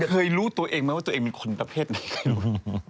เคยรู้ตัวเองไหมว่าตัวเองเป็นคนประเภทไหนเคยรู้